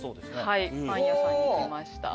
はいパン屋さんに行きました。